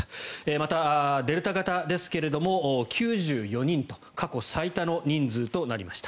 またデルタ型ですが９４人と過去最多の人数となりました。